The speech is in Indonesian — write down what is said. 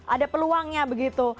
ada peluangnya begitu